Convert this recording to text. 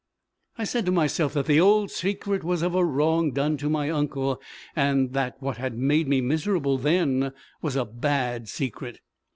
I said to myself that the old secret was of a wrong done to my uncle; that what had made me miserable then was a bad secret.